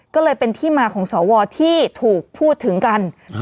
ก็เลยเป็นที่มาของสวที่ถูกพูดถึงกัน